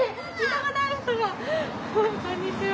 こんにちは。